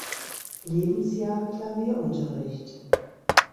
Lebensjahr Klavierunterricht.